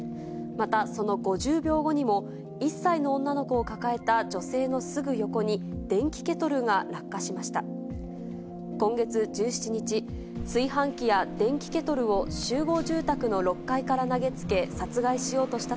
またその５０秒後にも、１歳の女の子を抱えた女性のすぐ横に電気ケトルが落下しました。